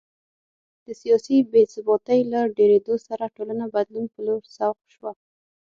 د سیاسي بې ثباتۍ له ډېرېدو سره ټولنه بدلون په لور سوق شوه